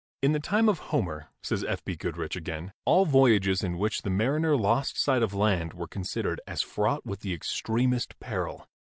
"In the time of Homer," says F. B. Goodrich again, "all voyages in which the mariner lost sight of land were considered as fraught with the extremest peril.